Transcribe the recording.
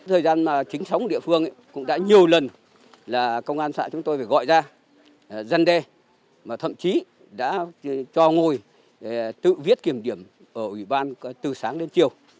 thời gian mà chính sống địa phương cũng đã nhiều lần là công an xã chúng tôi phải gọi ra dân đe mà thậm chí đã cho ngồi tự viết kiểm điểm ở ủy ban từ sáng đến chiều